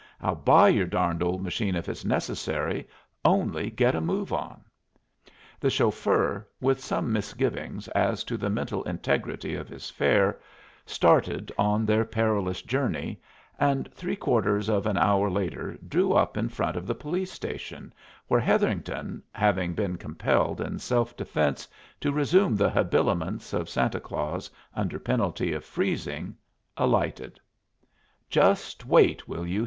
"I'll buy your darned old machine if it's necessary, only get a move on." The chauffeur, with some misgivings as to the mental integrity of his fare, started on their perilous journey, and three quarters of an hour later drew up in front of the police station, where Hetherington, having been compelled in self defense to resume the habiliments of Santa Claus under penalty of freezing, alighted. "Just wait, will you?"